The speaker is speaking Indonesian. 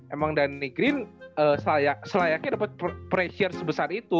emang danny green selayaknya dapet pressure sebesar itu